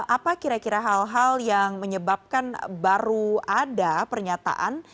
apa kira kira hal hal yang menyebabkan baru ada pernyataan